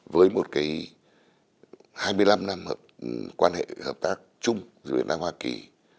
với một cái hai mươi năm năm quan hệ hợp tác chung giữa việt nam hoa kỳ